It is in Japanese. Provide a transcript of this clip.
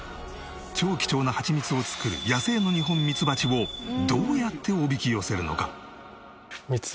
超貴重なハチミツを作る野生のニホンミツバチをどうやっておびき寄せるのか？